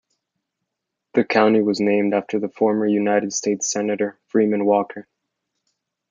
The county was named after the former United States senator Freeman Walker.